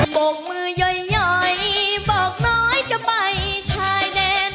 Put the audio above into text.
บกมือย่อยบอกน้อยจะไปชายแดน